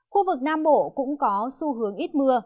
khu vực nam bộ cũng có xu hướng ít mưa